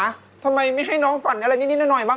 ทำไมไม่ให้น้องฝันอะไรนิดหน่อยบ้าง